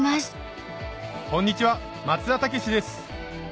こんにちは松田丈志です